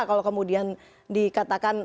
kalau kemudian dikatakan